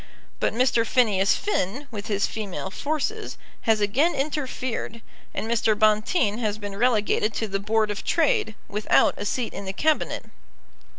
But Mr. Phineas Finn, with his female forces, has again interfered, and Mr. Bonteen has been relegated to the Board of Trade, without a seat in the Cabinet.